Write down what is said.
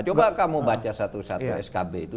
coba kamu baca satu satu skb itu